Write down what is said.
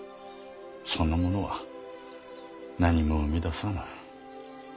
そんなものは何も生み出さぬ。